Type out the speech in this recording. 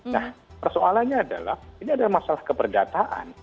nah persoalannya adalah ini adalah masalah keperdataan